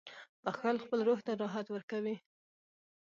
• بخښل خپل روح ته راحت ورکوي.